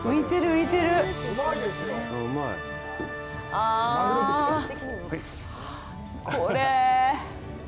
あぁ、これ。